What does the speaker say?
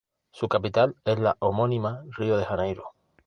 Su capital es la homónima Río de Janeiro.